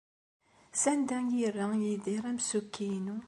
Sanda ay yerra Yidir amsukki-inu?